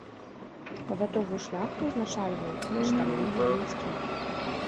Павятовую шляхту ўзначальваў кашталян віленскі.